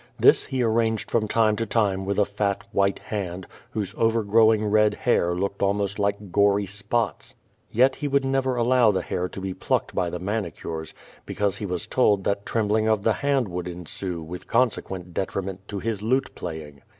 This he arranged from time to time with a fat, white hand, whose overgrowing red hair looked almost like gory spots. Yet he would never al low the hair to be plucked by the manicures, because he was told that trembling of the hand would ensue with consequent detriment to his lute playing.